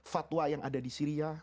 fatwa yang ada di syria